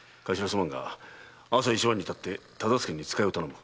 すまぬが朝一番に発って忠相に使いを頼む。